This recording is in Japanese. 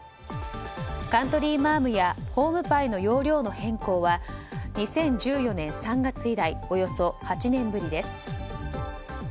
カントリーマアムやホームパイの容量の変更は２０１４年３月以来およそ８年ぶりです。